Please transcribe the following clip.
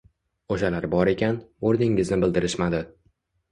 O‘shalar bor ekan, o‘rningizni bildirishmadi.